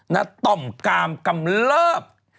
ต่อมกามกำเลิฟ